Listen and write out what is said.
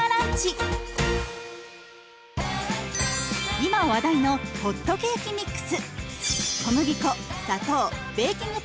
今話題のホットケーキミックス。